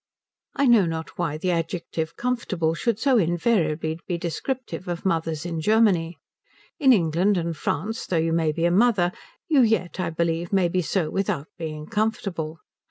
I know not why the adjective comfortable should so invariably be descriptive of mothers in Germany. In England and France though you may be a mother, you yet, I believe, may be so without being comfortable.